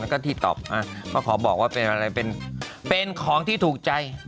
แล้วก็ที่ตอบก็ขอบอกว่าเป็นอะไรเป็นของที่ถูกใจ